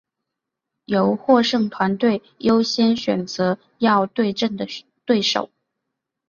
由获胜团队优先选择要对阵的对手。